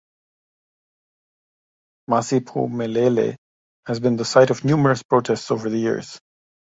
Masiphumelele has been the site of numerous protests over the years.